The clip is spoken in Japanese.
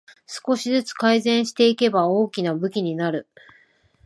少しずつ改善していけば大きな武器になる